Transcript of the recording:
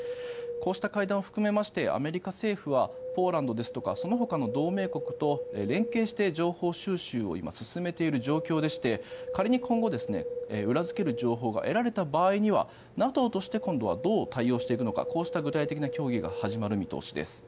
こうした会談を含めましてアメリカ政府はポーランドですとかそのほかの同盟国と連携して情報収集を今、進めている状況でして仮に今後、裏付ける情報が得られた場合にはＮＡＴＯとして今度はどう対応していくのかこうした具体的な協議が始まる見通しです。